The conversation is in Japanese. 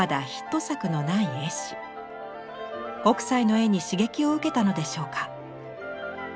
北斎の絵に刺激を受けたのでしょうか。